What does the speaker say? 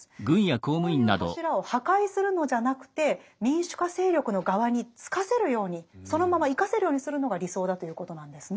こういう柱を破壊するのじゃなくて民主化勢力の側につかせるようにそのまま生かせるようにするのが理想だということなんですね。